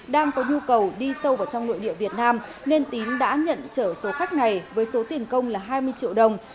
đang có nhu cầu đi sâu vào trong nội địa việt nam nên tín đã nhận trở số khách này với số tiền công là hai mươi triệu đồng